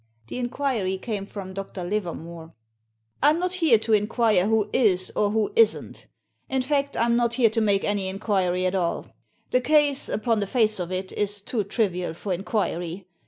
The inquiry came from Dr. Livermore. " I'm not here to inquire who is, or who isn't In fact, I'm not here to make any inquiry at all — the case, upon the face of it, is too trivial for inquiry.